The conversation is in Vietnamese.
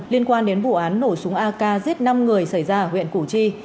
liên quan đến vụ án nổ súng ak giết năm người xảy ra ở huyện củ chi